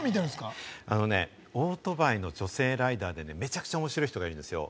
オートバイの女性ライダーでめちゃくちゃ面白い人がいるんですよ。